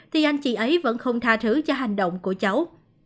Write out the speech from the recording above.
thì anh chị ấy vẫn không tha thứ cho hành động của cháu